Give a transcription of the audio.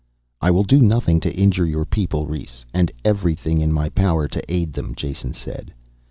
"I will do nothing to injure your people, Rhes and everything in my power to aid them," Jason said.